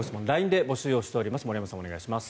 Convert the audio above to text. ＬＩＮＥで募集しています。